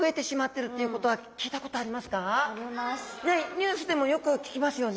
ニュースでもよく聞きますよね。